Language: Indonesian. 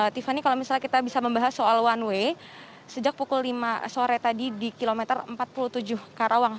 tiffany kalau misalnya kita bisa membahas soal one way sejak pukul lima sore tadi di kilometer empat puluh tujuh karawang